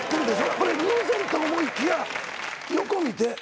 これ、偶然と思いきや、横見て。